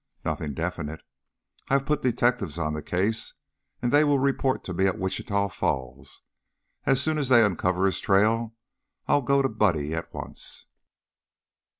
"Nothing definite. I have put detectives on the case, and they will report to me at Wichita Falls. As soon as they uncover his trail, I'll go to Buddy at once."